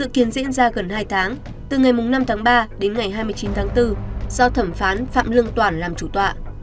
diễn ra gần hai tháng từ ngày năm tháng ba đến ngày hai mươi chín tháng bốn do thẩm phán phạm lương toản làm chủ tọa